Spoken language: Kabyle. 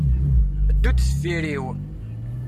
Ddu-d deffr-iw.